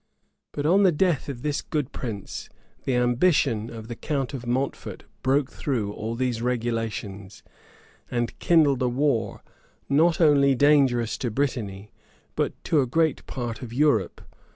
But on the death of this good prince, the ambition of the count of Mountfort broke through all these regulations, and kindled a war, not only dangerous to Brittany, but to a great part of Europe.